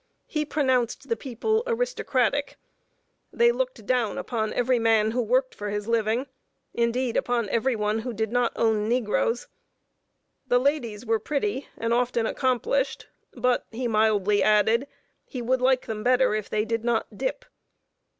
He pronounced the people aristocratic. They looked down upon every man who worked for his living indeed, upon every one who did not own negroes. The ladies were pretty, and often accomplished, but, he mildly added, he would like them better if they did not "dip."